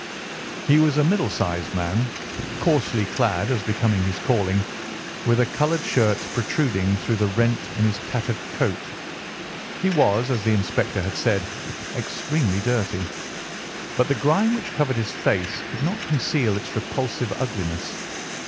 He was a middle sized man, coarsely clad as became his calling, with a coloured shirt protruding through the rent in his tattered coat. He was, as the inspector had said, extremely dirty, but the grime which covered his face could not conceal its repulsive ugliness.